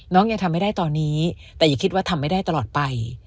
ยังทำไม่ได้ตอนนี้แต่อย่าคิดว่าทำไม่ได้ตลอดไป